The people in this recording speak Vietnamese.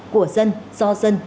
của dân do dân